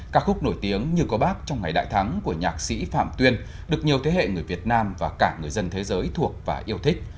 các khúc nổi tiếng như có bác trong ngày đại thắng của nhạc sĩ phạm tuyên được nhiều thế hệ người việt nam và cả người dân thế giới thuộc và yêu thích